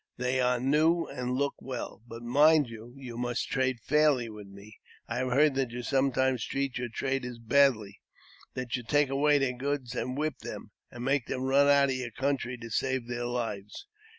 They are new, and look well. But, mind you, you must trade fairly with me. I have heard that you sometimes treat your traders badly ; that you take away their goods, and whip them, and make them run out of your country to save their lives.